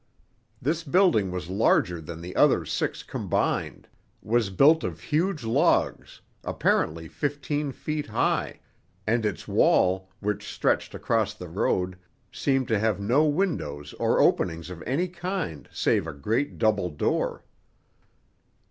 This building was larger than the other six combined—was built of huge logs, apparently fifteen feet high; and its wall, which stretched across the road, seemed to have no windows or openings of any kind save a great double door.